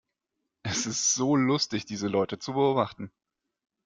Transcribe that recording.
Es ist so lustig, diese Leute zu beobachten!